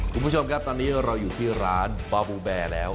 คุณผู้ชมครับตอนนี้เราอยู่ที่ร้านบาบูแบร์แล้ว